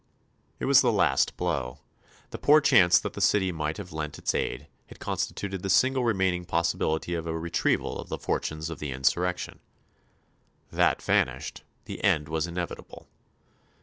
It was the last blow. The poor chance that the City might have lent its aid had constituted the single remaining possibility of a retrieval of the fortunes of the insurrection. That vanished, the end was inevitable.